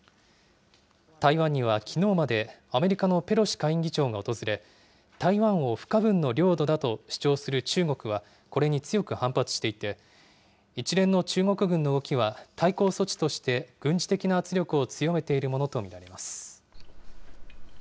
台湾には、きのうまでアメリカのペロシ下院議長が訪れ台湾を不可分の領土だと主張する中国はこれに強く反発していて一連の中国軍の動きは対抗措置として軍事的な圧力を強めているものと見られます。